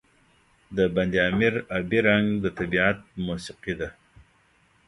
د بند امیر آبی رنګ د طبیعت موسيقي ده.